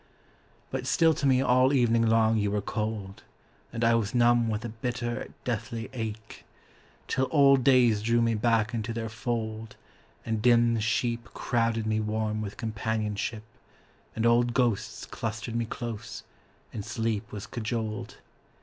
But still to me all evening long you were cold, And I was numb with a bitter, deathly ache; Till old days drew me back into their fold, And dim sheep crowded me warm with companionship, And old ghosts clustered me close, and sleep was cajoled.